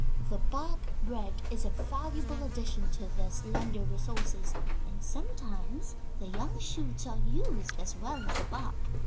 The bark bread is a valuable addition to their slender resources, and sometimes the young shoots are used as well as the bark.